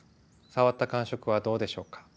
触った感触はどうでしょうか？